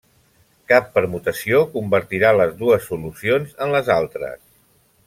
Cap permutació convertirà les dues solucions en les altres.